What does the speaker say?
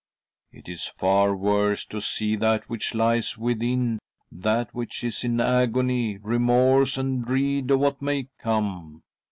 It is far worse to see that which lies within^that which is in agony, remorse, and dread of what may come.